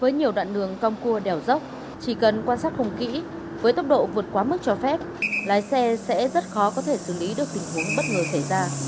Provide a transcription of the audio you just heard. với nhiều đoạn đường cong cua đèo dốc chỉ cần quan sát không kỹ với tốc độ vượt quá mức cho phép lái xe sẽ rất khó có thể xử lý được tình huống bất ngờ xảy ra